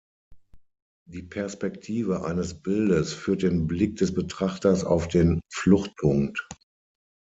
Die Perspektive eines Bildes führt den Blick des Betrachters auf den Fluchtpunkt.